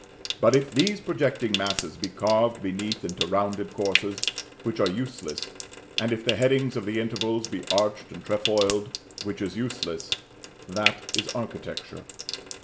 But if these projecting masses be carved beneath into rounded courses, which are useless, and if the headings of the intervals be arched and trefoiled, which is useless, that is Architecture.